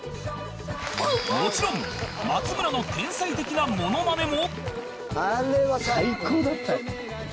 もちろん松村の天才的なモノマネも